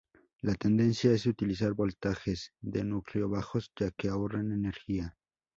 La tendencia es utilizar voltajes de núcleo bajos ya que ahorran energía.